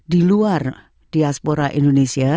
di luar diaspora indonesia